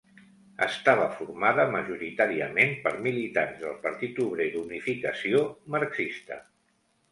Estava formada majoritàriament per militants del Partit Obrer d'Unificació Marxista.